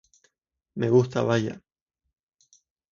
Me gusta, vaya.